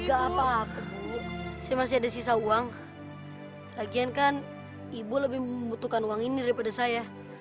enggak apa apa bu saya masih ada sisa uang lagian kan ibu lebih membutuhkan uang ini daripada saya